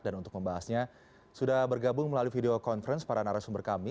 dan untuk membahasnya sudah bergabung melalui video conference para narasumber kami